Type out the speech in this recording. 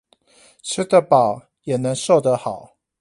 吃得飽，也能瘦得好！